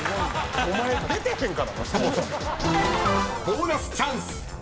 ［ボーナスチャンス！］